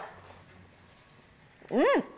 うん！